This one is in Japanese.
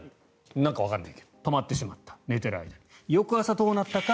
なんかわからないけど止まってしまった、寝ている間に翌朝どうなったか。